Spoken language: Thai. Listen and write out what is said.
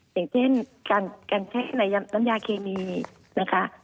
อย่างเช่นการแช่ในน้ำยาเคมีนะคะ